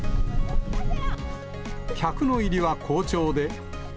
客の入りは好調で。